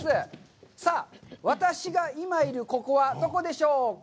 さあ、私が今いるここはどこでしょうか？